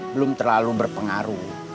belum terlalu berpengaruh